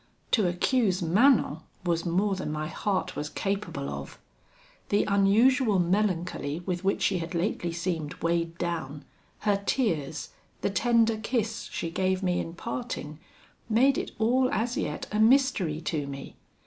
To accuse Manon was more than my heart was capable of. The unusual melancholy with which she had lately seemed weighed down, her tears, the tender kiss she gave me in parting, made it all as yet a mystery to me.